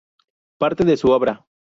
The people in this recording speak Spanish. Parte de su obra.